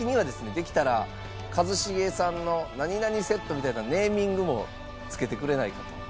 できたら「一茂さんの何々セット」みたいなネーミングも付けてくれないかと。